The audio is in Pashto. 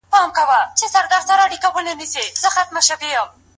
پخوانۍ تجربې د راتلونکي د پرمختګ لامل کیږي.